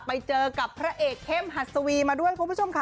ไปเจอกับพระเอกเข้มหัสวีมาด้วยคุณผู้ชมค่ะ